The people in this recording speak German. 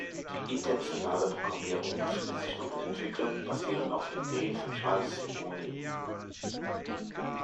Die Intentionale Programmierung befindet sich noch in Entwicklung, basierend auf Ideen von Charles Simonyi.